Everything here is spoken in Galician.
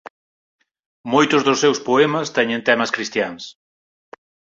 Moitos dos seus poemas teñen temas cristiáns.